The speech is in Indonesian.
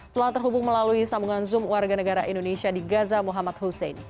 telah terhubung melalui sambungan zoom warga negara indonesia di gaza muhammad hussein